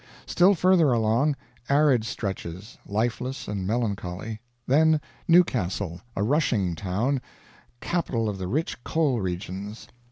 Still further along, arid stretches, lifeless and melancholy. Then Newcastle, a rushing town, capital of the rich coal regions.